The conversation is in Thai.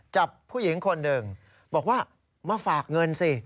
จับผู้หญิงคนหนึ่งบอกว่ามาฝากเงินสิ